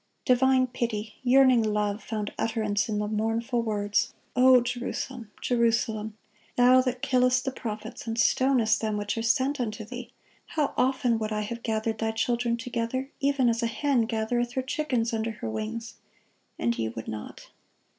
Divine pity, yearning love, found utterance in the mournful words: " 'O Jerusalem, Jerusalem, thou that killest the prophets, and stonest them which are sent unto thee, how often would I have gathered thy children together, even as a hen gathereth her chickens under her wings, and ye would not!